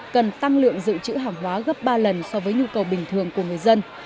cần tăng lượng dự trữ hàng hóa gấp ba lần so với nhu cầu bình thường của người dân